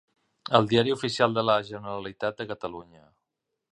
El Diari Oficial de la Generalitat de Catalunya.